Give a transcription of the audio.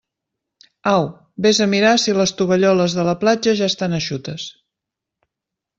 Au, vés a mirar si les tovalloles de la platja ja estan eixutes.